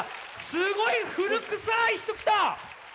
すごい古くさい人来た！